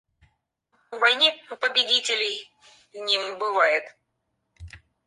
В войне победителей не бывает.